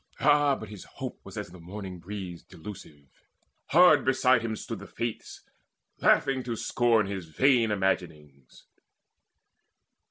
Ah, but his hope was as the morning breeze Delusive: hard beside him stood the Fates Laughing to scorn his vain imaginings.